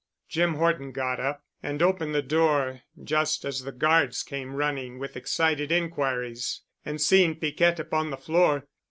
Jim Horton got up and opened the door just as the guards came running with excited inquiries, and seeing Piquette upon the floor.